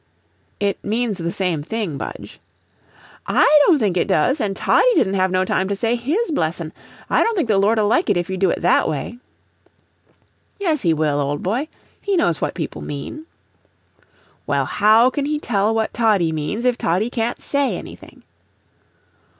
"It means the same thing, Budge." "I don't think it does; and Toddie didn't have no time to say HIS blessin'. I don't think the Lord'll like it if you do it that way." "Yes, he will, old boy; he knows what people mean." "Well, how can he tell what Toddie means if Toddie can't say anything?"